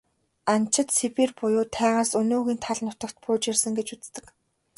Анчид Сибирь буюу тайгаас өнөөгийн тал нутагт бууж ирсэн гэж үздэг.